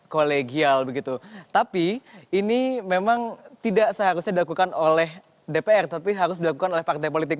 kolegial begitu tapi ini memang tidak seharusnya dilakukan oleh dpr tapi harus dilakukan oleh partai politik